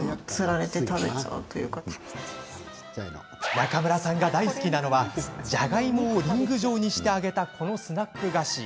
中村さんが大好きなのはじゃがいもをリング状にして揚げたこのスナック菓子。